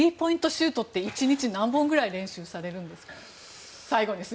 シュートって１日何本くらい練習されるんですか？